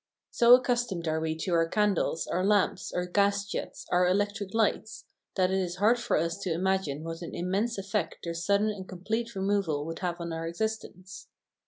So accustomed are we to our candles, our lamps, our gas jets, our electric lights, that it is hard for us to imagine what an immense effect their sudden and complete removal would have on our existence.